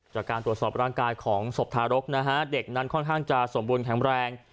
จากการตรวจสอบร่างกายของศพทารกนะฮะเด็กนั้นค่อนข้างจะสมบูรณแข็งแรง